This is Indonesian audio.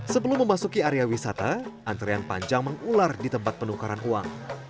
sebelum memasuki area wisata antrean panjang mengular di tempat penukaran uang